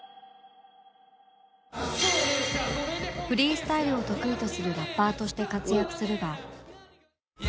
フリースタイルを得意とするラッパーとして活躍するが